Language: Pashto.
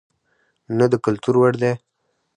نه د کتلو وړ دى،